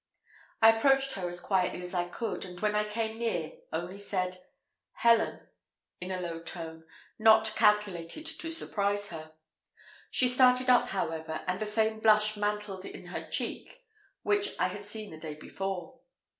I approached her as quietly as I could, and when I came near, only said, "Helen," in a low tone, not calculated to surprise her. She started up, however, and the same blush mantled in her cheeks which I had seen the day before.